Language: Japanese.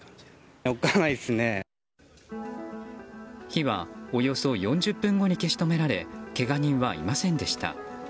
火はおよそ４０分後に消し止められけが人はいませんでした。